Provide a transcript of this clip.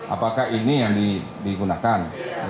apakah ini yang digunakan